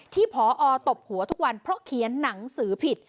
ผอตบหัวทุกวันเพราะเขียนหนังสือผิด